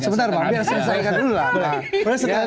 sebenarnya saya ingat dulu lah